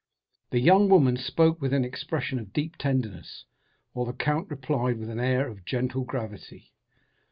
The young woman spoke with an expression of deep tenderness, while the count replied with an air of gentle gravity.